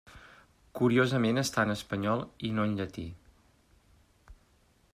Curiosament està en espanyol i no en llatí.